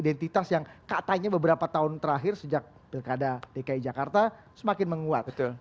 identitas yang katanya beberapa tahun terakhir sejak pilkada dki jakarta semakin menguat